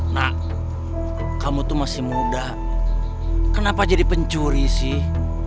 nak kamu tuh masih muda kenapa jadi pencuri sih